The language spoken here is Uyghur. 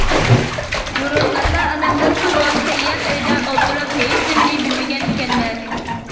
بۇرۇن ئاتا-ئانامدىن قالغان تەييار ئۆيدە ئولتۇرۇپ ھېچنېمىنى بىلمىگەن ئىكەنمەن.